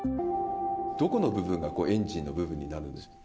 どこの部分がエンジンの部分になるんですか？